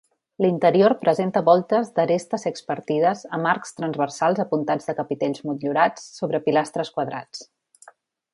L'interior presenta voltes d'aresta sexpartides amb arcs transversals apuntats de capitells motllurats sobre pilastres quadrats.